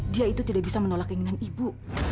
dia itu tidak bisa menolak keinginan ibu